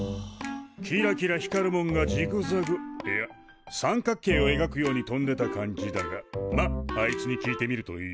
キラキラ光るもんがジグザグいや三角形をえがくように飛んでた感じだがまっあいつに聞いてみるといい。